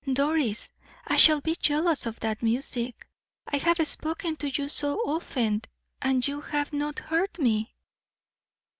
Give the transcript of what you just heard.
"Doris, I shall be jealous of that music. I have spoken to you so often, and you have not heard me."